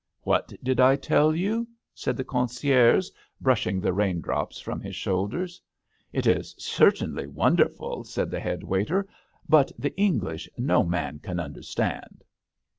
" What did I tell you ?" said the concierge, brushing the rain drops from his shoulders. "It is certainly wonderful," said the head waiter. " But the English no man can under stand."